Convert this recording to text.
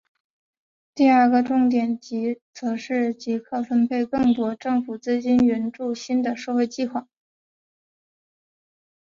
第二个重点则是即刻分配更多政府资金援助新的社会计画。